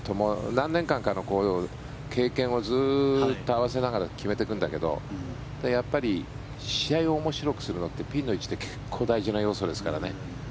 何年間かの経験をずっと合わせながら決めていくんだけどやっぱり試合を面白くするのにピンの位置って結構大事な要素ですからね。